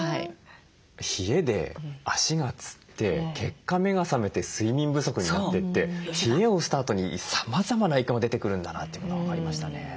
冷えで足がつって結果目が覚めて睡眠不足になってって冷えをスタートにさまざまな影響が出てくるんだなというのが分かりましたね。